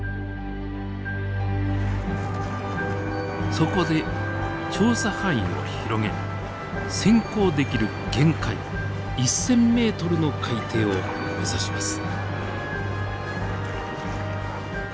そこで調査範囲を広げ潜航できる限界１，０００ｍの海底を目指します。